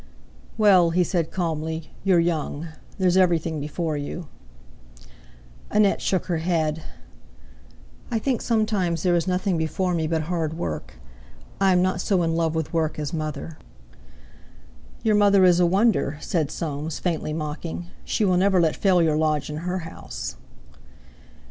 "Well," he said calmly, "you're young. There's everything before you." Annette shook her head. "I think sometimes there is nothing before me but hard work. I am not so in love with work as mother." "Your mother is a wonder," said Soames, faintly mocking; "she will never let failure lodge in her house."